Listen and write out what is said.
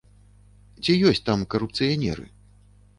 Ці ёсць там карупцыянеры?